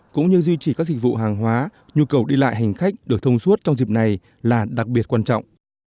cũng như duy trì các dịch vụ hàng hóa nhu cầu đi lại hành khách được thông suốt trong dịp này là đặc biệt quan trọng